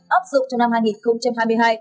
úp dụng cho năm hai nghìn hai mươi hai